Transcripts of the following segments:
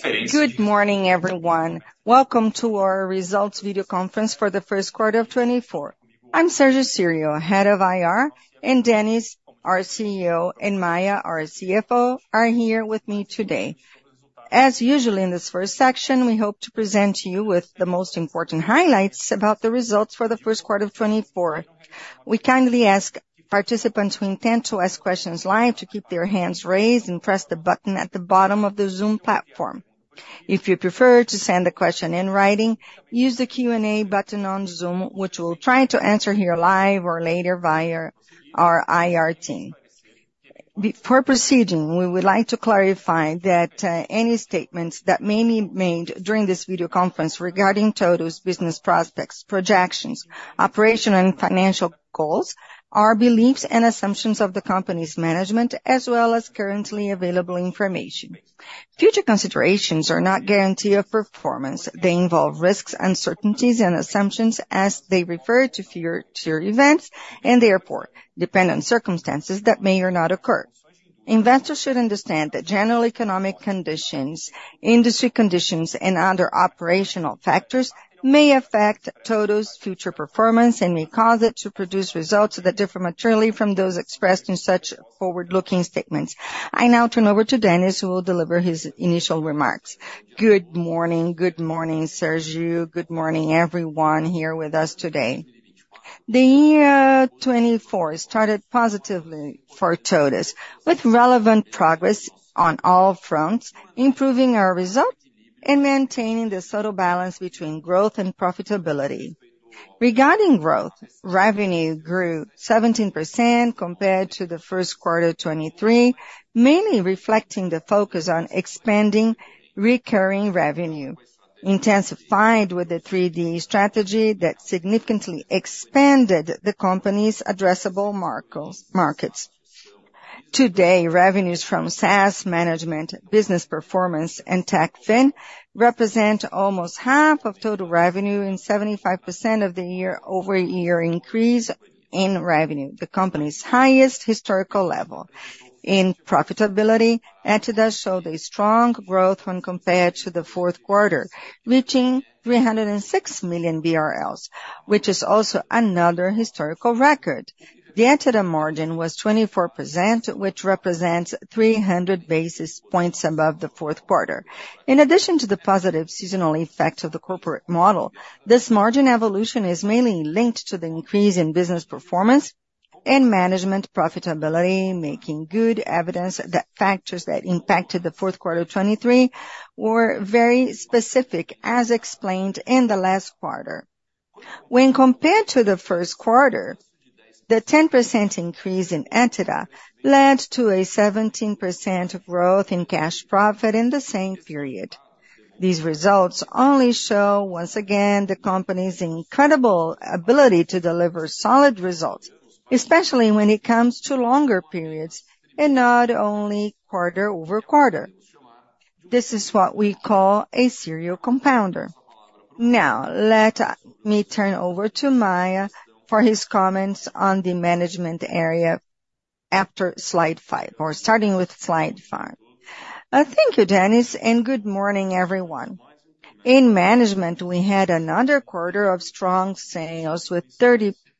Good morning, everyone. Welcome to our results video conference for the first quarter of 2024. I'm Sérgio Círio, Head of IR, and Dennis, our CEO, and Maia, our CFO, are here with me today. As usual, in this first section, we hope to present to you with the most important highlights about the results for the first quarter of 2024. We kindly ask participants who intend to ask questions live to keep their hands raised and press the button at the bottom of the Zoom platform. If you prefer to send a question in writing, use the Q&A button on Zoom, which we'll try to answer here live or later via our IR team. Before proceeding, we would like to clarify that any statements that may be made during this video conference regarding TOTVS's business prospects, projections, operational and financial goals are beliefs and assumptions of the company's management, as well as currently available information. Future considerations are not a guarantee of performance. They involve risks, uncertainties, and assumptions as they refer to future events, and therefore depend on circumstances that may or may not occur. Investors should understand that general economic conditions, industry conditions, and other operational factors may affect TOTVS's future performance and may cause it to produce results that differ materially from those expressed in such forward-looking statements. I now turn over to Dennis, who will deliver his initial remarks. Good morning. Good morning, Sérgio. Good morning, everyone here with us today. The year 2024 started positively for TOTVS, with relevant progress on all fronts, improving our result and maintaining the subtle balance between growth and profitability. Regarding growth, revenue grew 17% compared to the first quarter 2023, mainly reflecting the focus on expanding recurring revenue, intensified with the 3D Strategy that significantly expanded the company's addressable markets. Today, revenues from SaaS, Management, Business Performance, and TechFin represent almost half of total revenue and 75% of the year-over-year increase in revenue, the company's highest historical level. In profitability, EBITDA showed a strong growth when compared to the fourth quarter, reaching 306 million BRL, which is also another historical record. The EBITDA margin was 24%, which represents 300 basis points above the fourth quarter. In addition to the positive seasonal effect of the Corporate model, this margin evolution is mainly linked to the increase in Business Performance and Management profitability, making good evidence that factors that impacted the fourth quarter 2023 were very specific, as explained in the last quarter. When compared to the first quarter, the 10% increase in EBITDA led to a 17% growth in cash profit in the same period. These results only show, once again, the company's incredible ability to deliver solid results, especially when it comes to longer periods, and not only quarter-over-quarter. This is what we call a serial compounder. Now, let me turn over to Maia for his comments on the management area after Slide 5, or starting with Slide 5. Thank you, Dennis, and good morning, everyone. In Management, we had another quarter of strong sales with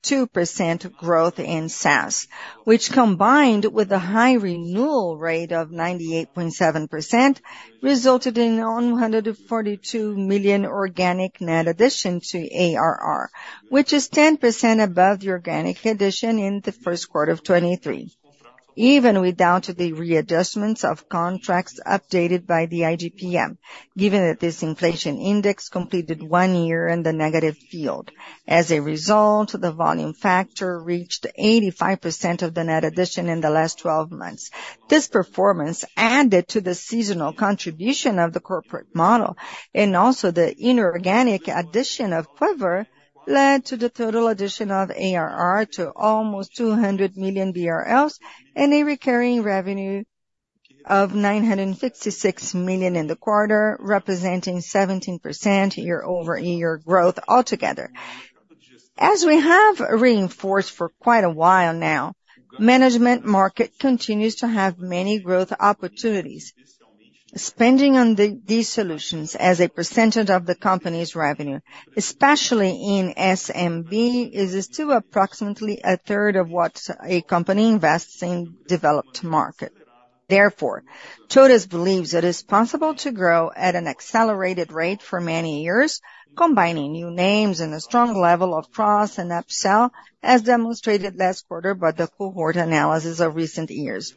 32% growth in SaaS, which, combined with a high renewal rate of 98.7%, resulted in 142 million organic net addition to ARR, which is 10% above the organic addition in the first quarter of 2023. Even without the readjustments of contracts updated by the IGP-M, given that this inflation index completed one year in the negative field. As a result, the Volume Factor reached 85% of the net addition in the last 12 months. This performance, added to the seasonal contribution of the Corporate model and also the inorganic addition of Quiver, led to the total addition of ARR to almost 200 million BRL and a recurring revenue of 956 million in the quarter, representing 17% year-over-year growth altogether. As we have reinforced for quite a while now, Management market continues to have many growth opportunities. Spending on these solutions as a percentage of the company's revenue, especially in SMB, is still approximately a third of what a company invests in developed market. Therefore, TOTVS believes it is possible to grow at an accelerated rate for many years, combining new names and a strong level of cross and upsell, as demonstrated last quarter by the cohort analysis of recent years.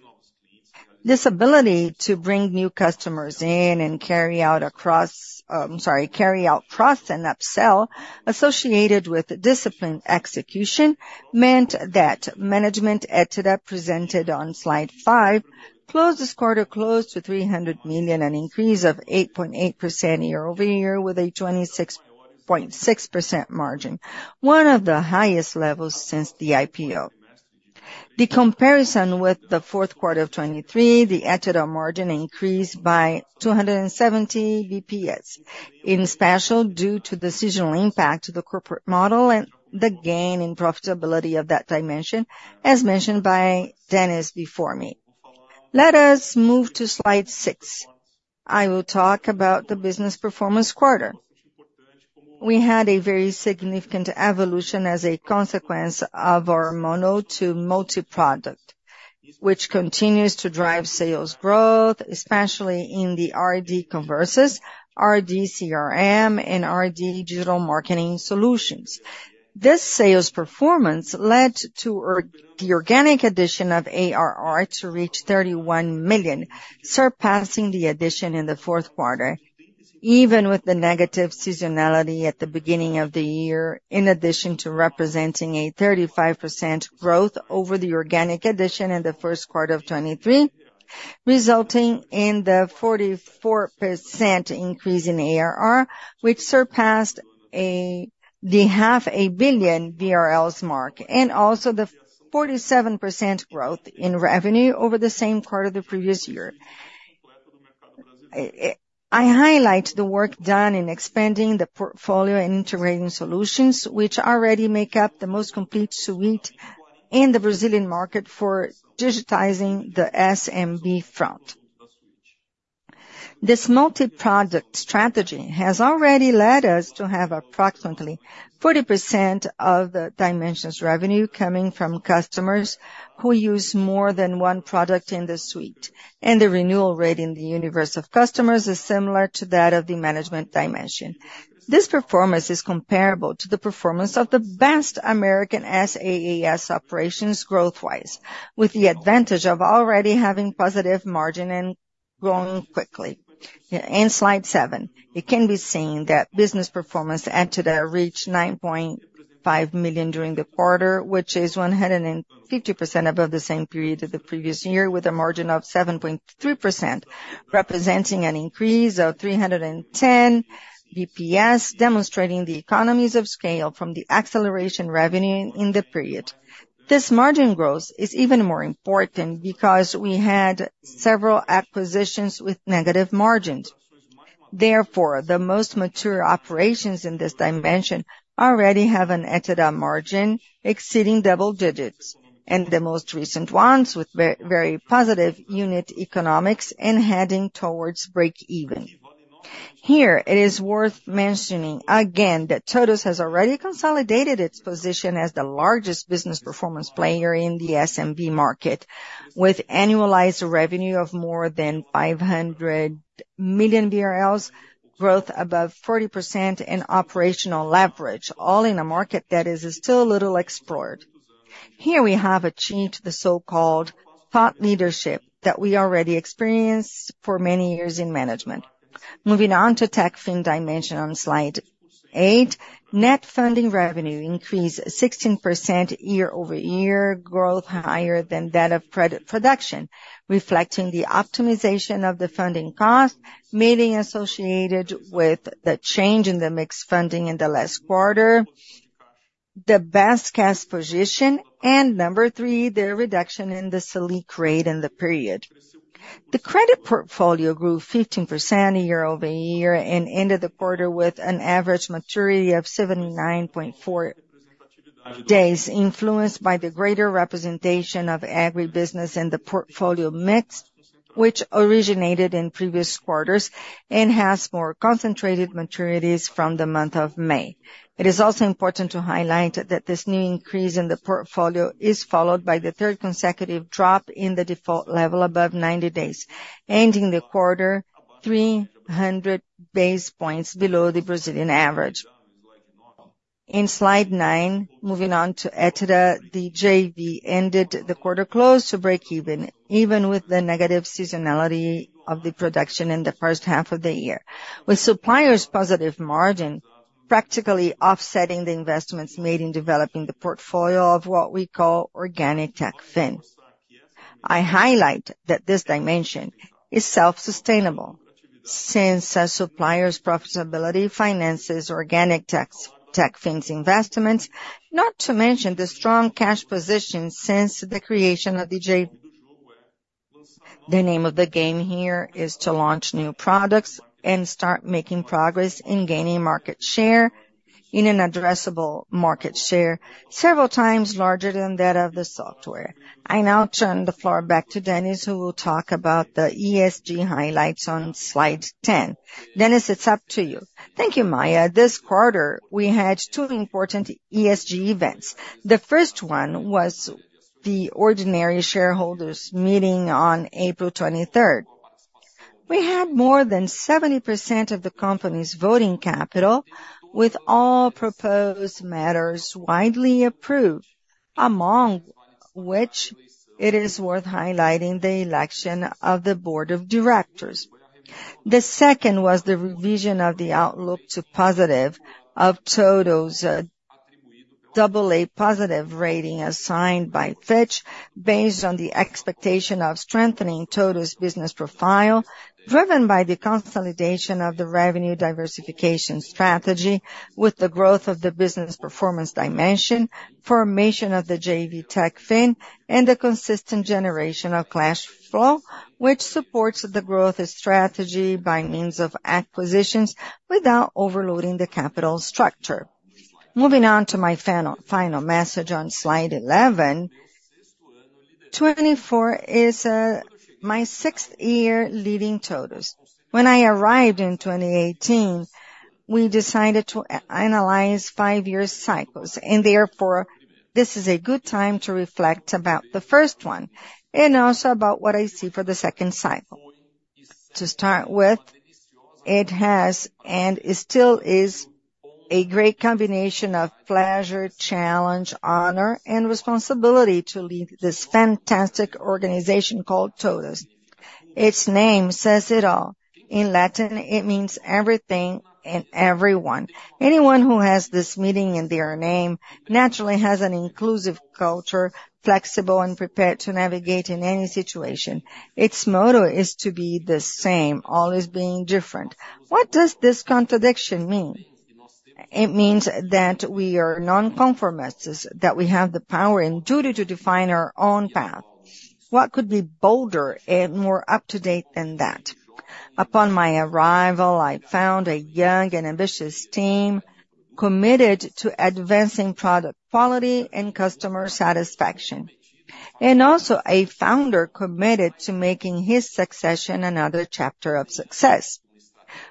This ability to bring new customers in and carry out cross and upsell, associated with disciplined execution, meant that Management EBITDA, presented on Slide 5, closed this quarter close to 300 million, an increase of 8.8% year-over-year, with a 26.6% margin, one of the highest levels since the IPO. The comparison with the fourth quarter of 2023, the EBITDA margin increased by 270 bps, especially, due to the seasonal impact to the Corporate model and the gain in profitability of that dimension, as mentioned by Dennis before me. Let us move to Slide 6. I will talk about the Business Performance quarter. We had a very significant evolution as a consequence of our mono to multi-product, which continues to drive sales growth, especially in the RD Conversas, RD CRM, and RD Digital Marketing Solutions. This sales performance led to the organic addition of ARR to reach 31 million, surpassing the addition in the fourth quarter, even with the negative seasonality at the beginning of the year, in addition to representing a 35% growth over the organic addition in the first quarter of 2023, resulting in the 44% increase in ARR, which surpassed the 500 million mark, and also the 47% growth in revenue over the same quarter the previous year. I highlight the work done in expanding the portfolio and integrating solutions, which already make up the most complete suite in the Brazilian market for digitizing the SMB front. This multi-product strategy has already led us to have approximately 40% of the dimensions revenue coming from customers who use more than one product in the suite, and the renewal rate in the universe of customers is similar to that of the management dimension. This performance is comparable to the performance of the best American SaaS operations growth-wise, with the advantage of already having positive margin and growing quickly. In Slide 7, it can be seen that Business Performance Adjusted EBITDA that reach 9.5 million during the quarter, which is 150% above the same period of the previous year, with a margin of 7.3%, representing an increase of 310 bps, demonstrating the economies of scale from the acceleration revenue in the period. This margin growth is even more important because we had several acquisitions with negative margins. Therefore, the most mature operations in this dimension already have an EBITDA margin exceeding double digits, and the most recent ones with very positive unit economics and heading towards break-even. Here, it is worth mentioning again, that TOTVS has already consolidated its position as the largest business performance player in the SMB market, with annualized revenue of more than 500 million BRL, growth above 40% in operational leverage, all in a market that is still a little explored. Here we have achieved the so-called thought leadership that we already experienced for many years in management. Moving on to TechFin dimension on Slide 8, net funding revenue increased 16% year-over-year, growth higher than that of credit production, reflecting the optimization of the funding cost, mainly associated with the change in the mixed funding in the last quarter, the best cash position, and number three, the reduction in the Selic rate in the period. The credit portfolio grew 15% year-over-year and ended the quarter with an average maturity of 79.4 days, influenced by the greater representation of agribusiness in the portfolio mix, which originated in previous quarters and has more concentrated maturities from the month of May. It is also important to highlight that this new increase in the portfolio is followed by the third consecutive drop in the default level above 90 days, ending the quarter 300 basis points below the Brazilian average. In Slide 9, moving on to TechFin, the JV ended the quarter close to breakeven, even with the negative seasonality of the production in the first half of the year, with Supplier's positive margin practically offsetting the investments made in developing the portfolio of what we call organic TechFin. I highlight that this dimension is self-sustainable, since our Supplier's profitability finances organic TechFin's investments, not to mention the strong cash position since the creation of the JV. The name of the game here is to launch new products and start making progress in gaining market share in an addressable market several times larger than that of the software. I now turn the floor back to Dennis, who will talk about the ESG highlights on Slide 10. Dennis, it's up to you. Thank you, Maia. This quarter, we had two important ESG events. The first one was the ordinary shareholders meeting on April 23rd. We had more than 70% of the company's voting capital, with all proposed matters widely approved, among which it is worth highlighting the election of the board of directors. The second was the revision of the outlook to positive of TOTVS's double-A positive rating assigned by Fitch, based on the expectation of strengthening TOTVS's business profile, driven by the consolidation of the revenue diversification strategy with the growth of the business performance dimension, formation of the JV TechFin, and the consistent generation of cash flow, which supports the growth strategy by means of acquisitions without overloading the capital structure. Moving on to my final, final message on Slide 11. 2024 is my sixth year leading TOTVS. When I arrived in 2018, we decided to analyze five-year cycles, and therefore, this is a good time to reflect about the first one, and also about what I see for the second cycle. To start with, it has, and it still is, a great combination of pleasure, challenge, honor, and responsibility to lead this fantastic organization called TOTVS. Its name says it all. In Latin, it means everything and everyone. Anyone who has this meaning in their name, naturally has an inclusive culture, flexible and prepared to navigate in any situation. Its motto is to be the same, always being different. What does this contradiction mean? It means that we are non-conformists, that we have the power and duty to define our own path. What could be bolder and more up-to-date than that? Upon my arrival, I found a young and ambitious team committed to advancing product quality and customer satisfaction, and also a founder committed to making his succession another chapter of success.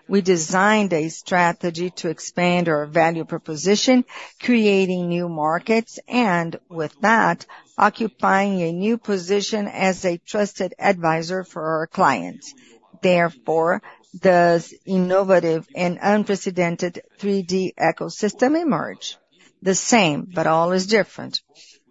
We designed a strategy to expand our value proposition, creating new markets, and with that, occupying a new position as a trusted advisor for our clients. Therefore, does innovative and unprecedented 3D ecosystem emerge? The same, but all is different.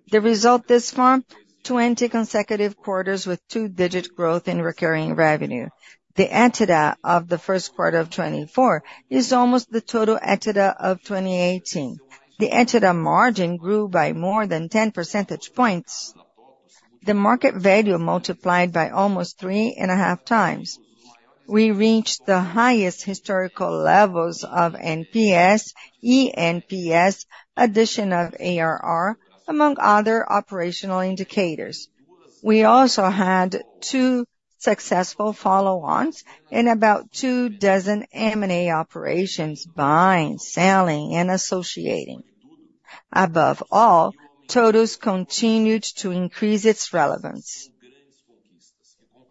The result this far, 20 consecutive quarters with two-digit growth in recurring revenue. The EBITDA of the first quarter of 2024 is almost the total EBITDA of 2018. The EBITDA margin grew by more than 10 percentage points. The market value multiplied by almost 3.5x. We reached the highest historical levels of NPS, eNPS, addition of ARR, among other operational indicators. We also had two successful follow-ons and about two dozen M&A operations, buying, selling, and associating. Above all, TOTVS continued to increase its relevance.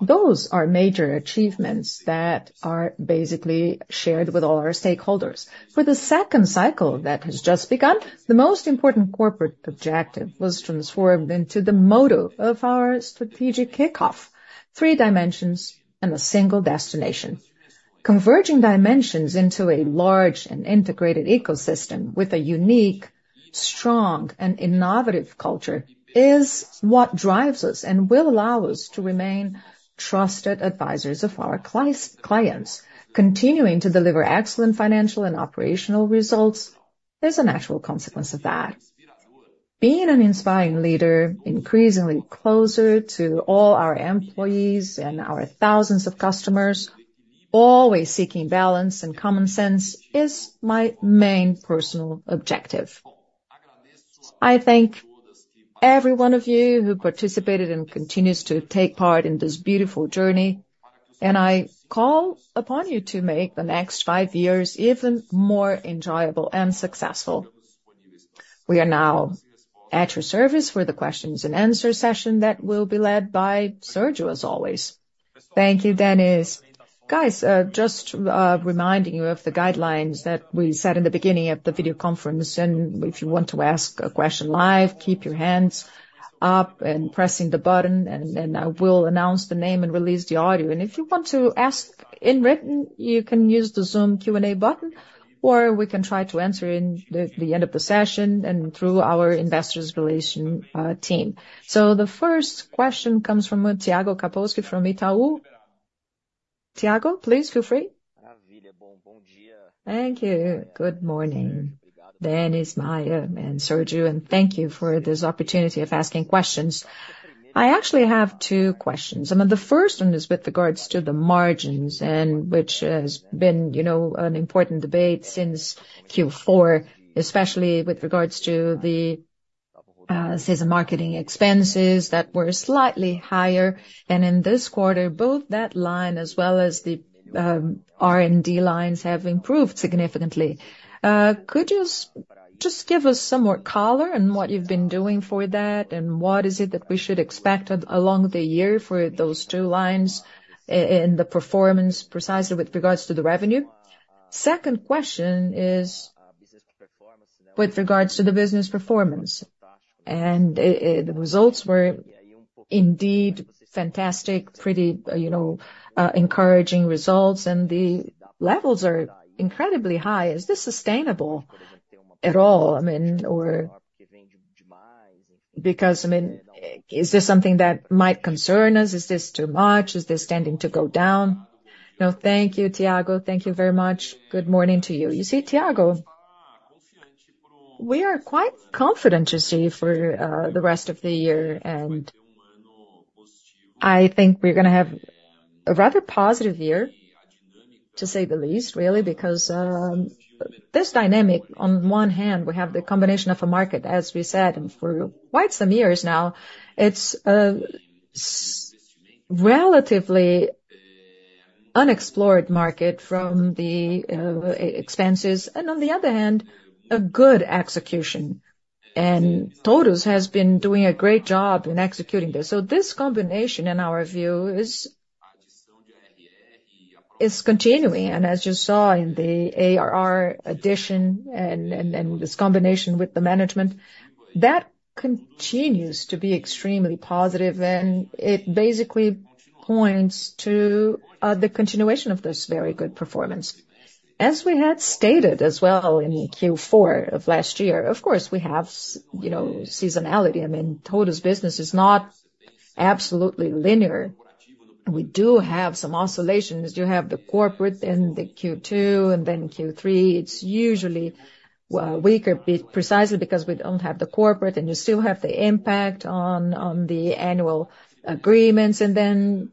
Those are major achievements that are basically shared with all our stakeholders. For the second cycle that has just begun, the most important corporate objective was transformed into the motto of our strategic kickoff: three dimensions and a single destination. Converging dimensions into a large and integrated ecosystem with a unique, strong, and innovative culture is what drives us and will allow us to remain trusted advisors of our clients. Continuing to deliver excellent financial and operational results is a natural consequence of that. Being an inspiring leader, increasingly closer to all our employees and our thousands of customers, always seeking balance and common sense, is my main personal objective. I thank every one of you who participated and continues to take part in this beautiful journey, and I call upon you to make the next five years even more enjoyable and successful. We are now at your service for the questions and answer session that will be led by Sérgio, as always. Thank you, Dennis. Guys, just to reminding you of the guidelines that we said in the beginning of the video conference, and if you want to ask a question live, keep your hands up and pressing the button, and then I will announce the name and release the audio. And if you want to ask in written, you can use the Zoom Q&A button, or we can try to answer in the end of the session and through our Investor Relations team. So the first question comes from Thiago Kapulskis from Itaú. Thiago, please feel free. Thank you. Good morning, Dennis, Maia, and Sérgio, and thank you for this opportunity of asking questions. I actually have two questions. I mean, the first one is with regards to the margins, and which has been, you know, an important debate since Q4, especially with regards to the seasonal marketing expenses that were slightly higher. And in this quarter, both that line, as well as the R&D lines, have improved significantly. Could you just give us some more color on what you've been doing for that, and what is it that we should expect along the year for those two lines in the performance, precisely with regards to the revenue? Second question is with regards to the business performance. And the results were indeed fantastic, pretty, you know, encouraging results, and the levels are incredibly high. Is this sustainable at all? I mean, or because, I mean, is this something that might concern us? Is this too much? Is this tending to go down? No, thank you, Thiago. Thank you very much. Good morning to you. You see, Thiago, we are quite confident, you see, for the rest of the year, and I think we're gonna have a rather positive year, to say the least, really, because this dynamic, on one hand, we have the combination of a market, as we said, and for quite some years now, it's a relatively unexplored market from the expenses, and on the other hand, a good execution. And TOTVS has been doing a great job in executing this. So this combination, in our view, is continuing, and as you saw in the ARR addition and this combination with the management, that continues to be extremely positive, and it basically points to the continuation of this very good performance. As we had stated as well in Q4 of last year, of course, we have you know, seasonality. I mean, TOTVS business is not absolutely linear. We do have some oscillations. You have the corporate in the Q2, and then Q3, it's usually weaker precisely because we don't have the corporate, and you still have the impact on the annual agreements. And then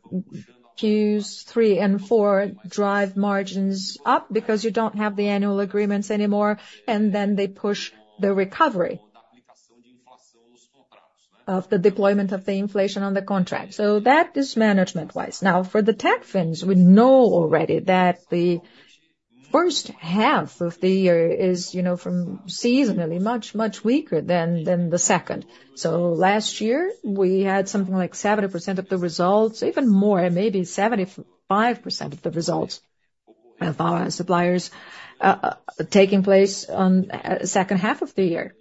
Q3 and Q4 drive margins up, because you don't have the annual agreements anymore, and then they push the recovery of the deployment of the inflation on the contract. So that is management-wise. Now, for the TechFin, we know already that the first half of the year is, you know, from seasonally, much, much weaker than the second. So last year, we had something like 70% of the results, even more, maybe 75% of the results of our Supplier, taking place on second half of the year.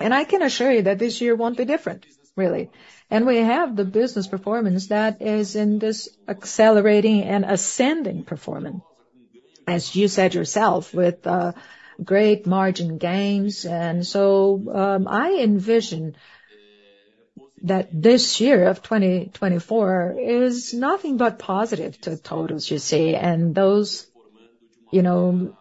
And I can assure you that this year won't be different, really. And we have the business performance that is in this accelerating and ascending performance, as you said yourself, with great margin gains. And so, I envision that this year of 2024 is nothing but positive to TOTVS, you see, and those, you know,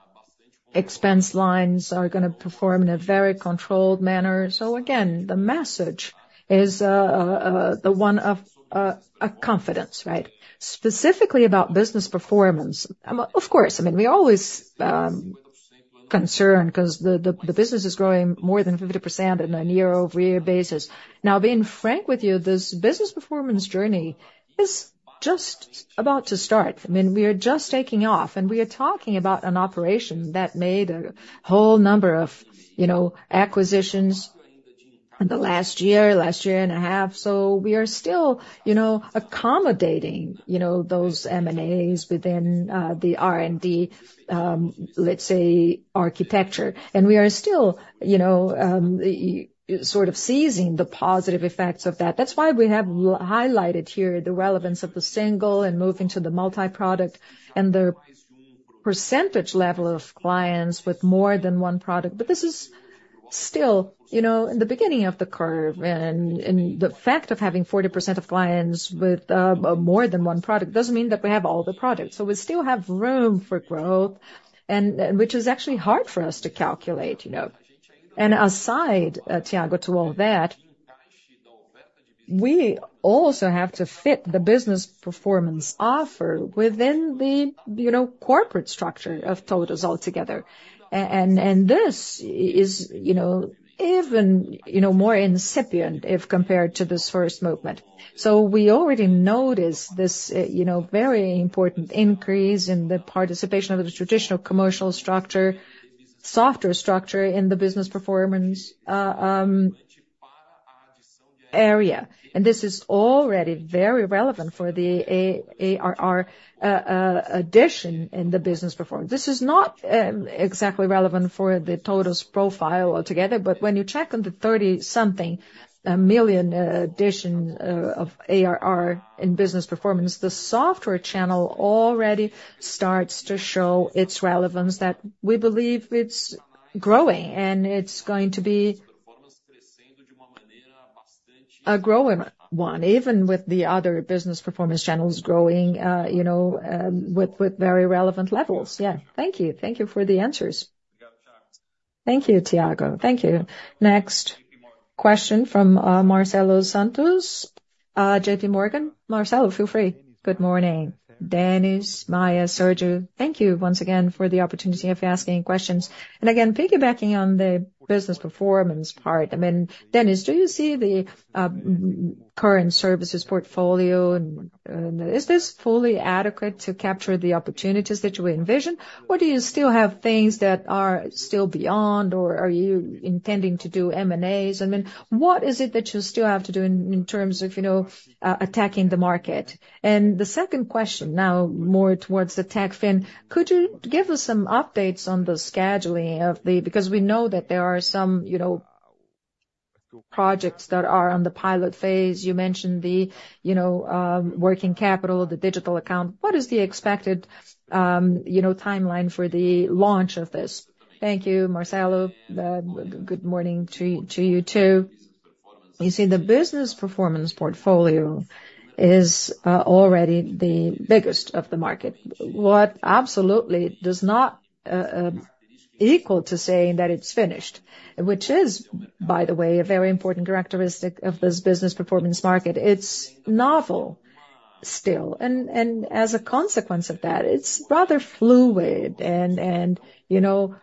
expense lines are gonna perform in a very controlled manner. So again, the message is, the one of, a confidence, right? Specifically about Business Performance, of course, I mean, we always concerned 'cause the business is growing more than 50% in a year-over-year basis. Now, being frank with you, this Business Performance journey is just about to start. I mean, we are just taking off, and we are talking about an operation that made a whole number of, you know, acquisitions in the last year, last year and a half. So we are still, you know, accommodating, you know, those M&As within, the R&D, let's say, architecture. We are still, you know, sort of seizing the positive effects of that. That's why we have highlighted here the relevance of the single and moving to the multi-product and the percentage level of clients with more than one product. But this is still, you know, in the beginning of the curve, and the fact of having 40% of clients with more than one product doesn't mean that we have all the products. So we still have room for growth, and which is actually hard for us to calculate, you know. And aside, Thiago, to all that, we also have to fit the Business Performance offer within the, you know, corporate structure of TOTVS altogether. And this is, you know, even, you know, more incipient if compared to this first movement. So we already noticed this, you know, very important increase in the participation of the traditional commercial structure, SaaS structure in the Business Performance area. And this is already very relevant for the ARR addition in the business performance. This is not exactly relevant for the TOTVS profile altogether, but when you check on the 30-something million addition of ARR in business performance, the software channel already starts to show its relevance that we believe it's growing, and it's going to be a growing one, even with the other business performance channels growing, you know, with very relevant levels. Yeah. Thank you. Thank you for the answers. Thank you, Thiago. Thank you. Next question from Marcelo Santos, JPMorgan. Marcelo, feel free. Good morning, Dennis, Maia, Sérgio. Thank you once again for the opportunity of asking questions. And again, piggybacking on the business performance part, I mean, Dennis, do you see the current services portfolio, and is this fully adequate to capture the opportunities that you envision, or do you still have things that are still beyond, or are you intending to do M&As? I mean, what is it that you still have to do in terms of, you know, attacking the market? And the second question, now more towards the TechFin: could you give us some updates on the scheduling of the... Because we know that there are some, you know, projects that are on the pilot phase. You mentioned the working capital, the digital account. What is the expected timeline for the launch of this? Thank you, Marcelo. Good morning to you, too. You see, the Business Performance portfolio is already the biggest of the market. What absolutely does not equal to saying that it's finished, which is, by the way, a very important characteristic of this Business Performance market. It's novel still, and as a consequence of that, it's rather fluid and, you know,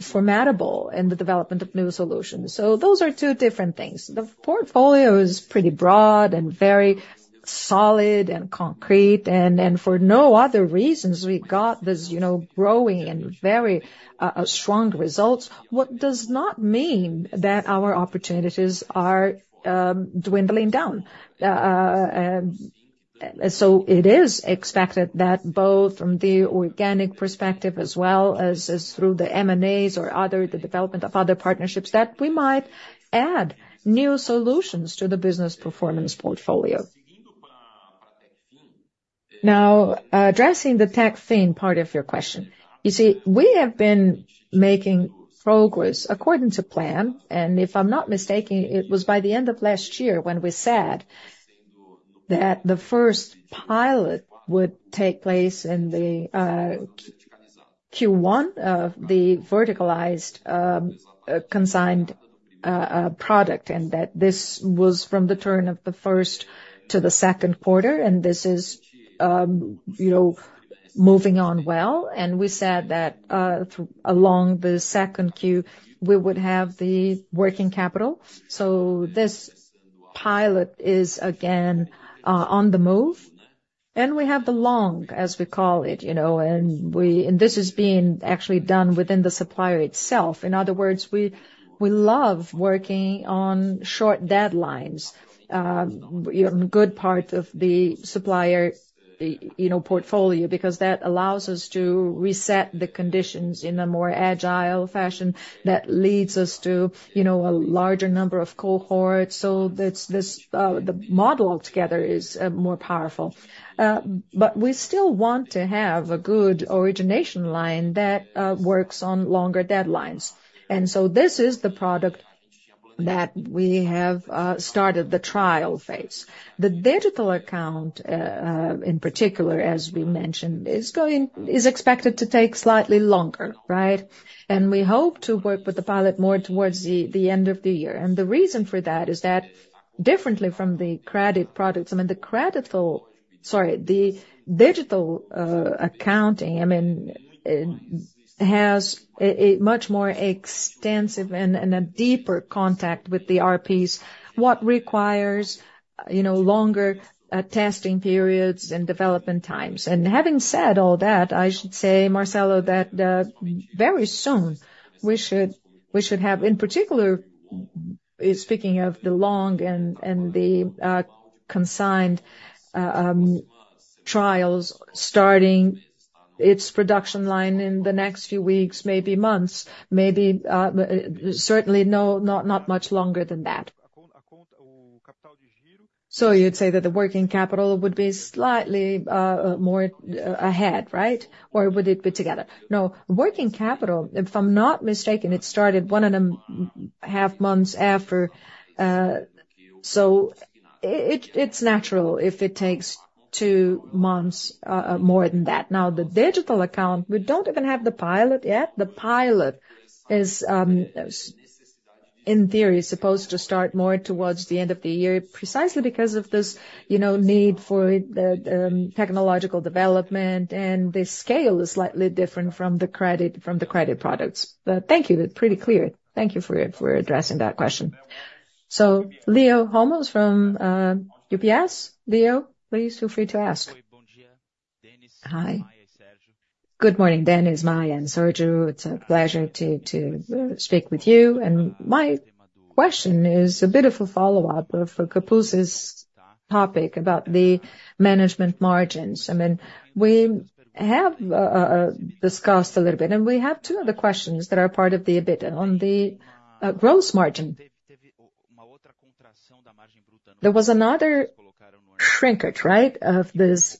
formidable in the development of new solutions. So those are two different things. The portfolio is pretty broad and very solid and concrete, and for no other reasons, we got this, you know, growing and very strong results. What does not mean that our opportunities are dwindling down. and so it is expected that both from the organic perspective, as well as, as through the M&As or other, the development of other partnerships, that we might add new solutions to the Business Performance portfolio. Now, addressing the TechFin part of your question, you see, we have been making progress according to plan, and if I'm not mistaken, it was by the end of last year when we said that the first pilot would take place in the Q1 of the verticalized consigned product, and that this was from the turn of the first to the second quarter, and this is, you know, moving on well. And we said that along the second Q, we would have the working capital. So this pilot is again on the move, and we have the long, as we call it, you know, and we—and this is being actually done within the Supplier itself. In other words, we, we love working on short deadlines, you know, good part of the Supplier, you know, portfolio, because that allows us to reset the conditions in a more agile fashion that leads us to, you know, a larger number of cohorts. So that's this, the model together is more powerful. But we still want to have a good origination line that works on longer deadlines. And so this is the product that we have started the trial phase. The Digital Account, in particular, as we mentioned, is going—is expected to take slightly longer, right? We hope to work with the pilot more towards the end of the year. The reason for that is that differently from the credit products, I mean, the credital—sorry, the digital account, I mean, has a much more extensive and a deeper contact with the RPs, what requires, you know, longer testing periods and development times. Having said all that, I should say, Marcelo, that very soon we should have, in particular, speaking of the loan and the consigned trials, starting its production line in the next few weeks, maybe months, maybe, certainly, not much longer than that. So you'd say that the working capital would be slightly more ahead, right? Or would it be together? No, working capital, if I'm not mistaken, it started one and a half months after, so it, it's natural if it takes two months, more than that. Now, the digital account, we don't even have the pilot yet. The pilot is, in theory, supposed to start more towards the end of the year, precisely because of this, you know, need for the technological development, and the scale is slightly different from the credit, from the credit products. But thank you. It's pretty clear. Thank you for addressing that question. So Leonardo Olmos from UBS BB. Leo, please feel free to ask. Hi. Good morning, Dennis, Maia and Sergio Serio. It's a pleasure to speak with you. And my question is a bit of a follow-up for Kapulskis's topic about the management margins. I mean, we have discussed a little bit, and we have two other questions that are part of the EBITDA. On the gross margin, there was another shrinkage, right, of this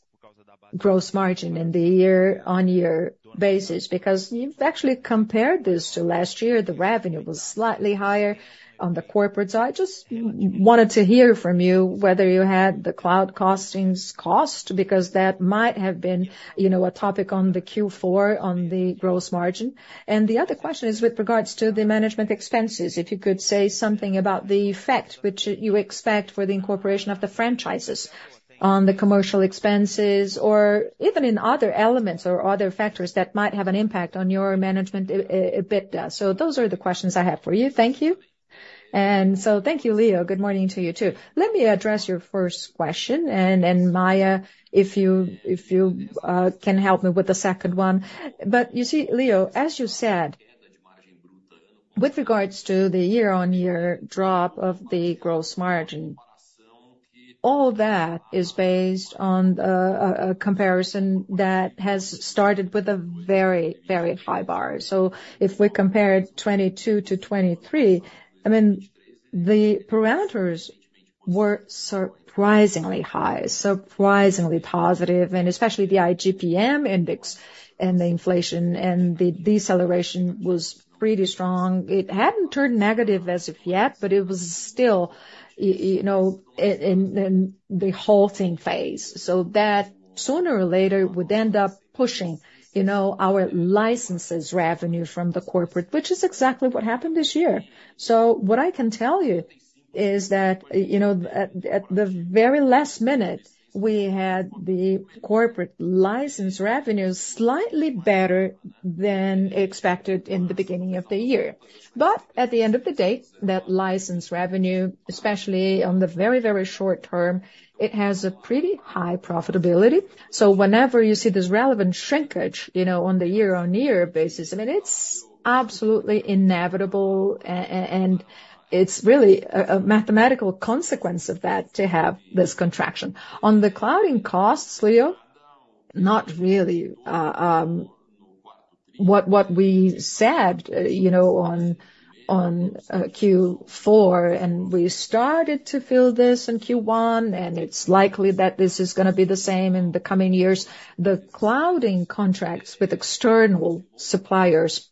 gross margin in the year-on-year basis, because you've actually compared this to last year. The revenue was slightly higher on the corporate side. I just wanted to hear from you whether you had the cloud costing costs, because that might have been, you know, a topic on the Q4, on the gross margin. And the other question is with regards to the management expenses, if you could say something about the effect which you expect for the incorporation of the franchises on the commercial expenses or even in other elements or other factors that might have an impact on your Management EBITDA. So those are the questions I have for you. Thank you. Thank you, Leo. Good morning to you, too. Let me address your first question, and Maia, if you can help me with the second one. But you see, Leo, as you said, with regards to the year-on-year drop of the gross margin, all that is based on a comparison that has started with a very, very high bar. So if we compare 2022 to 2023, I mean, the parameters were surprisingly high, surprisingly positive, and especially the IGP-M index and the inflation, and the deceleration was pretty strong. It hadn't turned negative as of yet, but it was still, you know, in the halting phase. So that, sooner or later, would end up pushing, you know, our licenses revenue from the corporate, which is exactly what happened this year. So what I can tell you is that, you know, at the very last minute, we had the corporate license revenue slightly better than expected in the beginning of the year. But at the end of the day, that license revenue, especially on the very, very short term, it has a pretty high profitability. So whenever you see this relevant shrinkage, you know, on the year-on-year basis, I mean, it's absolutely inevitable, and it's really a mathematical consequence of that to have this contraction. On the clouding costs, Leo, not really. What we said, you know, on Q4, and we started to feel this in Q1, and it's likely that this is gonna be the same in the coming years. The clouding contracts with external suppliers,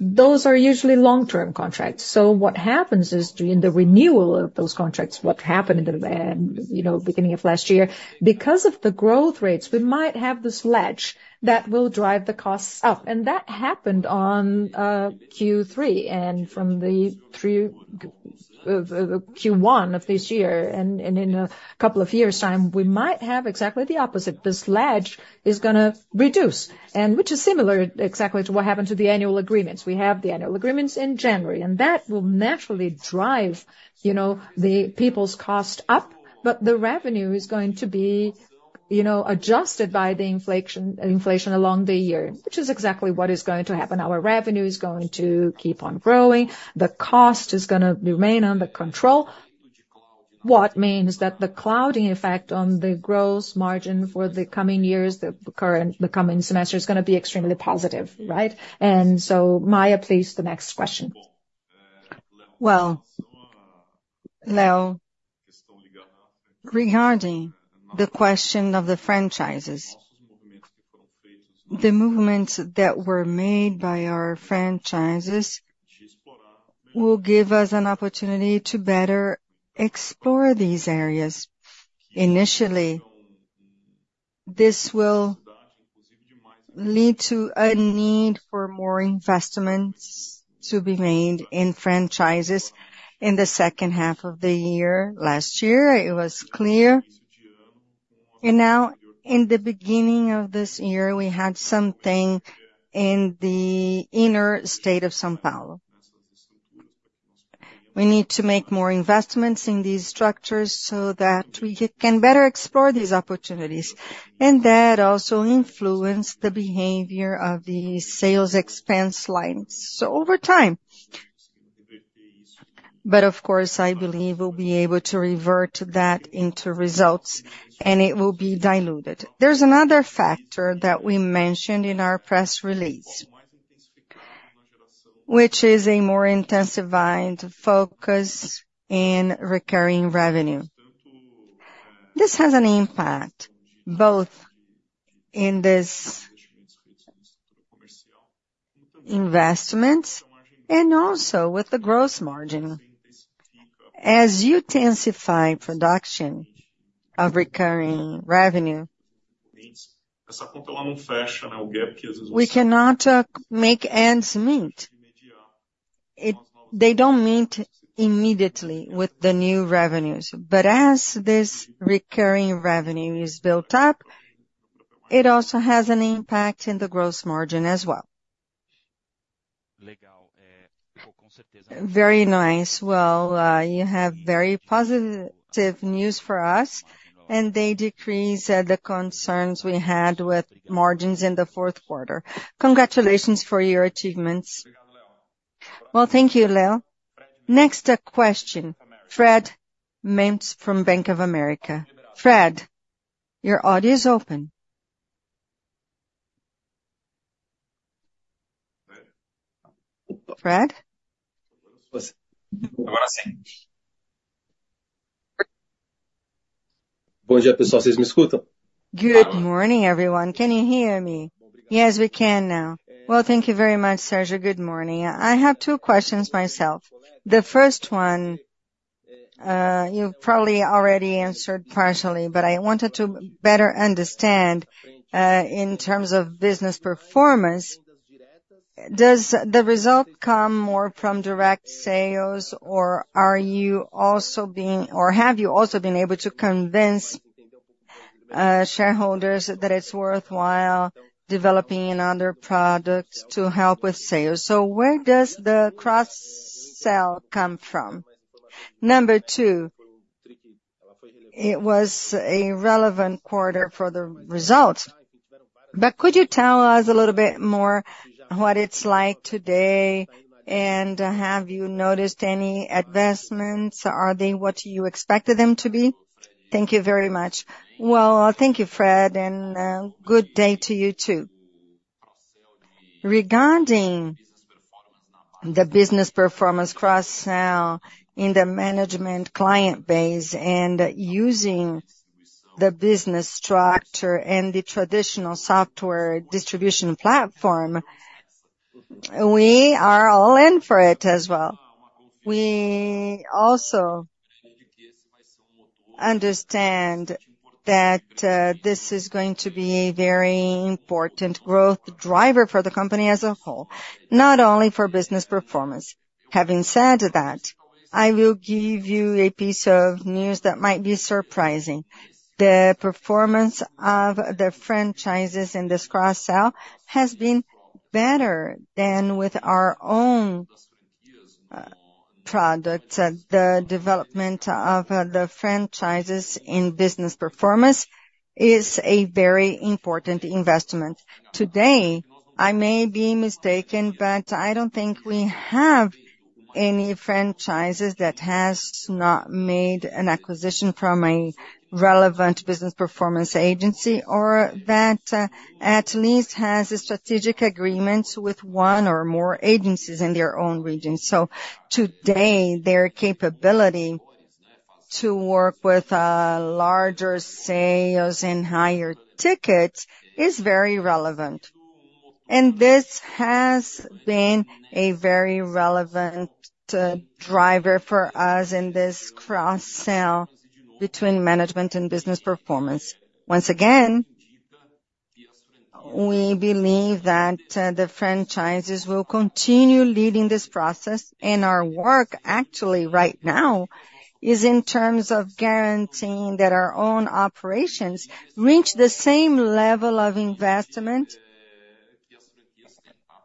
those are usually long-term contracts. So what happens is, during the renewal of those contracts, what happened in the, you know, beginning of last year, because of the growth rates, we might have this ledge that will drive the costs up. And that happened on Q3 and from the trough of Q1 of this year. And in a couple of years' time, we might have exactly the opposite. This ledge is gonna reduce, and which is similar exactly to what happened to the annual agreements. We have the annual agreements in January, and that will naturally drive, you know, the people's cost up. But the revenue is going to be, you know, adjusted by the inflation, inflation along the year, which is exactly what is going to happen. Our revenue is going to keep on growing. The cost is gonna remain under control. What means that the clouding effect on the gross margin for the coming years, the current- the coming semester, is gonna be extremely positive, right? And so, Maia, please, the next question. Well, Leo, regarding the question of the franchises, the movements that were made by our franchises will give us an opportunity to better explore these areas. Initially, this will lead to a need for more investments to be made in franchises in the second half of the year. Last year, it was clear, and now in the beginning of this year, we had something in the inner state of São Paulo. We need to make more investments in these structures so that we can better explore these opportunities, and that also influenced the behavior of the sales expense lines. So over time, but of course, I believe we'll be able to revert that into results, and it will be diluted. There's another factor that we mentioned in our press release, which is a more intensified focus in recurring revenue. This has an impact both in this investments and also with the gross margin. As you intensify production of recurring revenue, we cannot make ends meet. They don't meet immediately with the new revenues, but as this recurring revenue is built up, it also has an impact in the gross margin as well. Very nice. Well, you have very positive news for us, and they decrease the concerns we had with margins in the fourth quarter. Congratulations for your achievements. Well, thank you, Leo. Next, question, Fred Mendes from Bank of America. Fred, your audio is open. Fred? Good morning, everyone. Can you hear me? Yes, we can now. Well, thank you very much, Sérgio. Good morning. I have two questions myself. The first one, you probably already answered partially, but I wanted to better understand, in terms of business performance, does the result come more from direct sales, or are you also being-- or have you also been able to convince, shareholders that it's worthwhile developing other products to help with sales? So where does the cross-sell come from? Number two, it was a relevant quarter for the results, but could you tell us a little bit more what it's like today, and, have you noticed any advancements? Are they what you expected them to be? Thank you very much. Well, thank you, Fred, and good day to you, too. Regarding the Business Performance cross-sell in the Management client base and using the business structure and the traditional software distribution platform, we are all in for it as well. We also understand that this is going to be a very important growth driver for the company as a whole, not only for Business Performance. Having said that, I will give you a piece of news that might be surprising. The performance of the franchises in this cross-sell has been better than with our own products. The development of the franchises in Business Performance is a very important investment. Today, I may be mistaken, but I don't think we have any franchises that has not made an acquisition from a relevant business performance agency, or that, at least has a strategic agreement with one or more agencies in their own region. So today, their capability to work with, larger sales and higher tickets is very relevant. And this has been a very relevant, driver for us in this cross-sell between management and business performance. Once again, we believe that, the franchises will continue leading this process, and our work actually right now, is in terms of guaranteeing that our own operations reach the same level of investment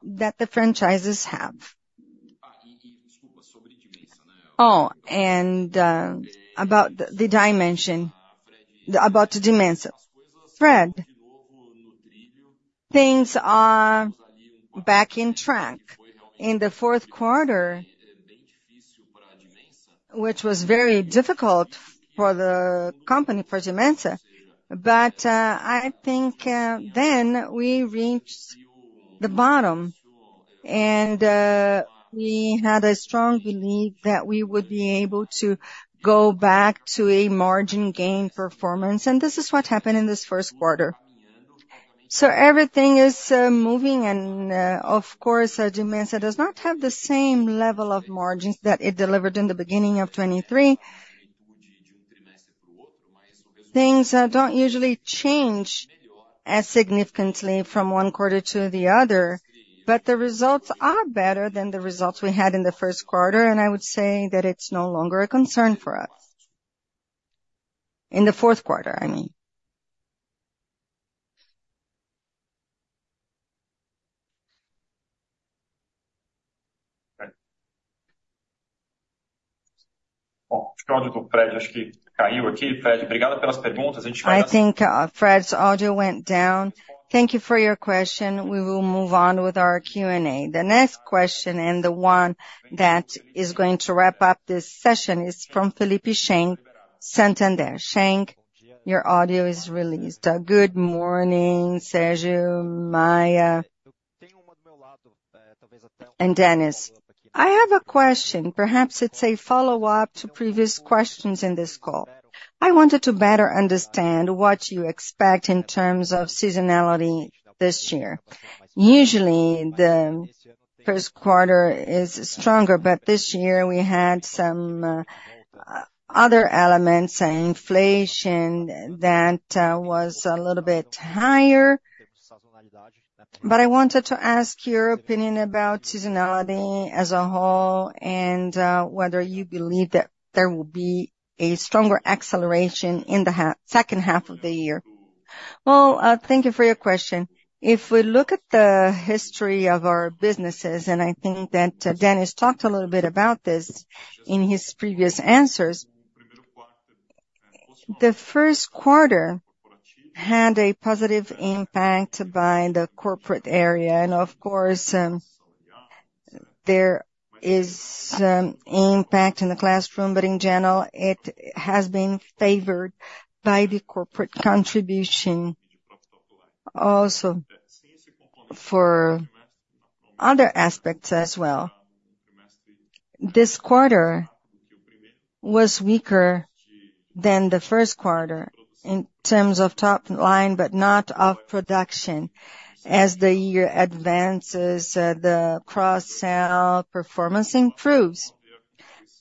that the franchises have. Oh, and, about the dimension, about the Dimensa. Fred, things are back on track. In the fourth quarter, which was very difficult for the company, for Dimensa, but, I think, then we reached the bottom. We had a strong belief that we would be able to go back to a margin gain performance, and this is what happened in this first quarter. So everything is moving and, of course, Dimensa does not have the same level of margins that it delivered in the beginning of 2023. Things don't usually change as significantly from one quarter to the other, but the results are better than the results we had in the first quarter, and I would say that it's no longer a concern for us. In the fourth quarter, I mean. I think Fred's audio went down. Thank you for your question. We will move on with our Q&A. The next question, and the one that is going to wrap up this session, is from Felipe Cheng, Santander Cheng, your audio is released. Good morning, Sérgio, Maia, and Dennis. I have a question, perhaps it's a follow-up to previous questions in this call. I wanted to better understand what you expect in terms of seasonality this year. Usually, the first quarter is stronger, but this year we had some other elements and inflation that was a little bit higher. But I wanted to ask your opinion about seasonality as a whole, and whether you believe that there will be a stronger acceleration in the second half of the year. Well, thank you for your question. If we look at the history of our businesses, and I think that Dennis talked a little bit about this in his previous answers, the first quarter had a positive impact by the corporate area. And of course, there is impact in the classroom, but in general, it has been favored by the corporate contribution. Also, for other aspects as well, this quarter was weaker than the first quarter in terms of top line, but not of production. As the year advances, the cross-sell performance improves.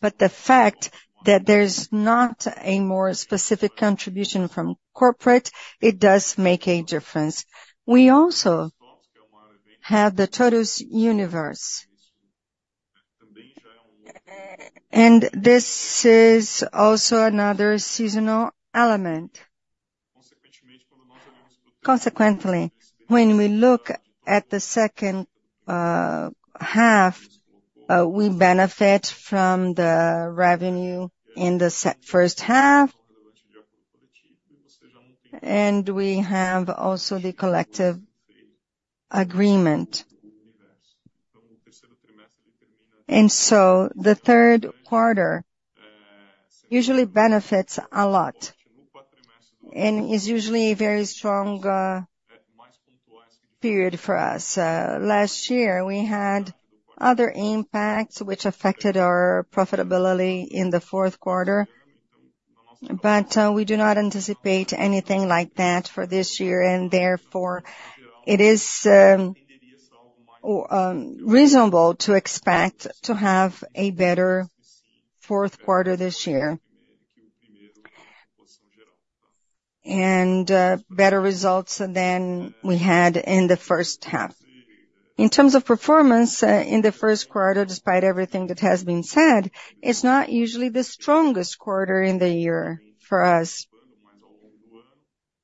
But the fact that there's not a more specific contribution from corporate, it does make a difference. We also have the TOTVS Universe. And this is also another seasonal element. Consequently, when we look at the second half, we benefit from the revenue in the first half, and we have also the collective agreement. And so the third quarter usually benefits a lot, and is usually a very strong period for us. Last year, we had other impacts which affected our profitability in the fourth quarter, but we do not anticipate anything like that for this year, and therefore, it is reasonable to expect to have a better fourth quarter this year. Better results than we had in the first half. In terms of performance, in the first quarter, despite everything that has been said, it's not usually the strongest quarter in the year for us.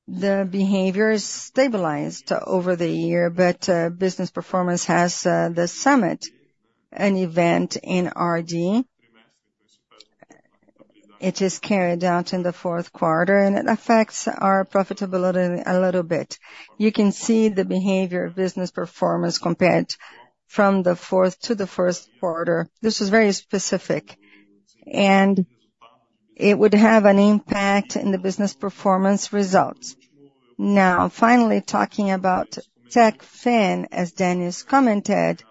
The behavior is stabilized over the year, but Business Performance has the Summit, an event in RD-... It is carried out in the fourth quarter, and it affects our profitability a little bit. You can see the behavior of Business Performance compared from the fourth to the first quarter. This is very specific, and it would have an impact in the Business Performance results. Now, finally, talking about TechFin, as Dennis commented,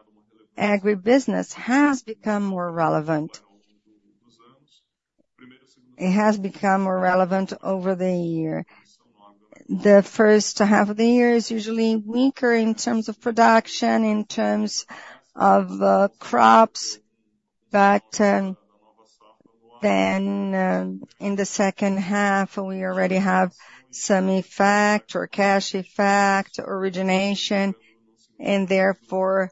agribusiness has become more relevant. It has become more relevant over the year. The first half of the year is usually weaker in terms of production, in terms of crops, but then in the second half, we already have some effect or cash effect, origination, and therefore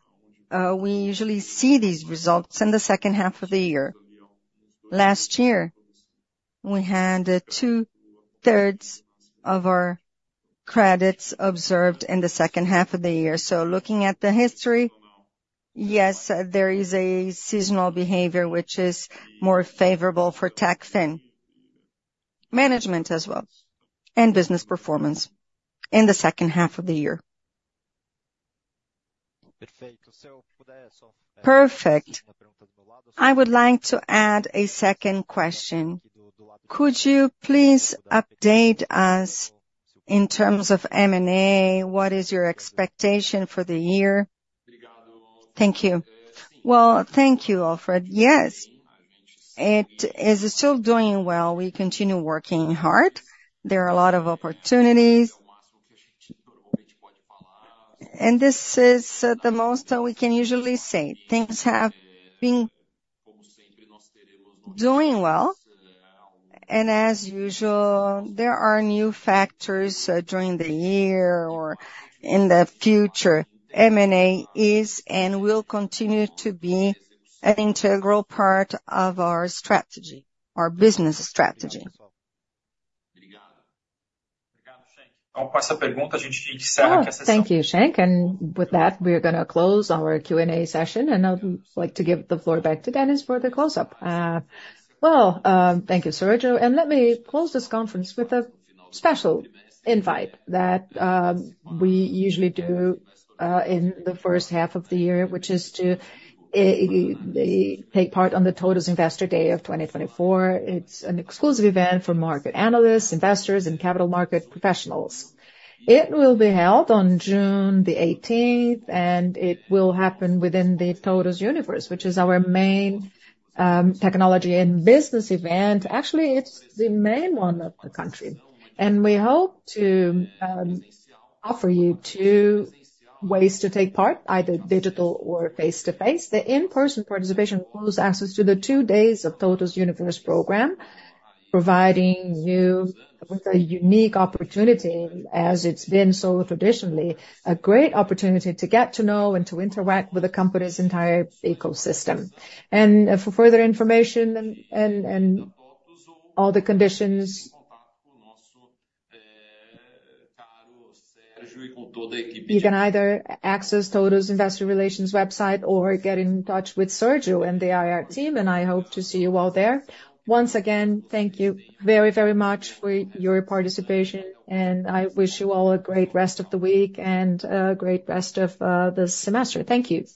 we usually see these results in the second half of the year. Last year, we had two-thirds of our credits observed in the second half of the year. So looking at the history, yes, there is a seasonal behavior, which is more favorable for TechFin, Management as well, and Business Performance in the second half of the year. Perfect. I would like to add a second question. Could you please update us in terms of M&A? What is your expectation for the year? Thank you. Well, thank you, Alfred. Yes, it is still doing well. We continue working hard. There are a lot of opportunities. And this is the most we can usually say. Things have been doing well, and as usual, there are new factors during the year or in the future. M&A is and will continue to be an integral part of our strategy, our business strategy. Thank you, Cheng. And with that, we are gonna close our Q&A session, and I'd like to give the floor back to Dennis for the close-up. Well, thank you, Sérgio. Let me close this conference with a special invite that we usually do in the first half of the year, which is to take part on the TOTVS Investor Day of 2024. It's an exclusive event for market analysts, investors and capital market professionals. It will be held on June 18th, and it will happen within the TOTVS Universe, which is our main technology and business event. Actually, it's the main one of the country. We hope to offer you two ways to take part, either digital or face-to-face. The in-person participation includes access to the two days of TOTVS Universe program, providing you with a unique opportunity, as it's been so traditionally, a great opportunity to get to know and to interact with the company's entire ecosystem. For further information and all the conditions, you can either access TOTVS' Investor Relations website or get in touch with Sérgio and the IR team, and I hope to see you all there. Once again, thank you very, very much for your participation, and I wish you all a great rest of the week and a great rest of the semester. Thank you.